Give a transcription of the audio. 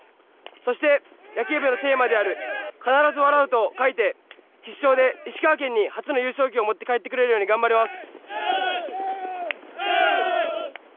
そして、野球部のテーマである必ず笑うと書いて「必笑」で石川県に、初の優勝旗を持って帰ってこれるように頑張ります。